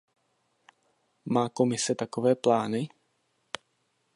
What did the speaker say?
Má Komise takové plány?